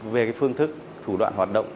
về phương thức thủ đoạn hoạt động